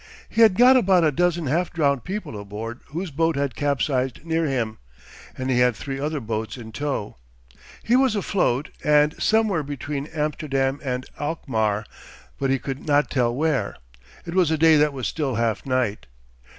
He had got about a dozen half drowned people aboard whose boat had capsized near him, and he had three other boats in tow. He was afloat, and somewhere between Amsterdam and Alkmaar, but he could not tell where. It was a day that was still half night.